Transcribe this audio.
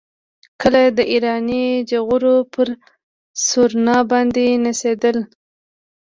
کله د ایراني غجرو پر سورنا باندې نڅېدل.